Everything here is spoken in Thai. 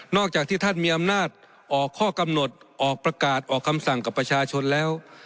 อกจากที่ท่านมีอำนาจออกข้อกำหนดออกประกาศออกคำสั่งกับประชาชนแล้ว